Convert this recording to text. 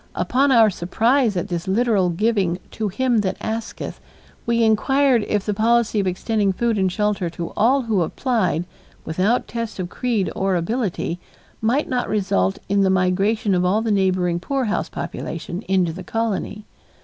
Upon our surprise at this literal giving "to him that asketh," we inquired if the policy of extending food and shelter to all who applied, without test of creed or ability, might not result in the migration of all the neighboring poorhouse population into the colony.